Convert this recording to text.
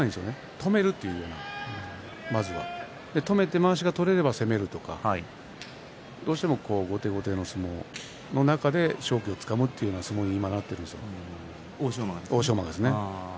止めるというか、まずは止めてまわしが取れれば攻めるとかどうしても後手後手の相撲の中で勝機をつかむという相撲になっています、欧勝馬ですね。